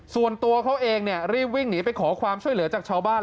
ส่วนตัวเขาเองรีบวิ่งหนีไปขอความช่วยเหลือจากชาวบ้าน